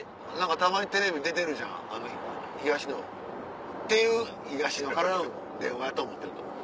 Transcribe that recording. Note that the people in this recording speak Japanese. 「たまにテレビ出てるじゃんあの東野」っていう東野からの電話やと思ってると思う。